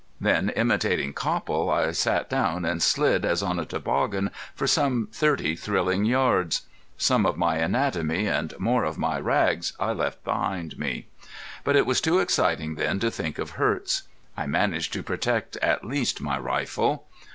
Then, imitating Copple, I sat down and slid as on a toboggan for some thirty thrilling yards. Some of my anatomy and more of my rags I left behind me. But it was too exciting then to think of hurts. I managed to protect at least my rifle.